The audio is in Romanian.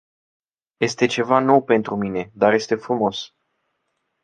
Este ceva nou pentru mine, dar este frumos.